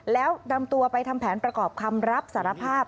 แล้วนำตัวไปทำแผนประกอบคำรับสารภาพ